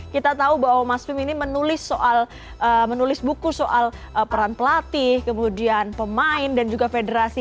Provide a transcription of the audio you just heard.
kita tahu bahwa mas fim ini menulis buku soal peran pelatih kemudian pemain dan juga federasi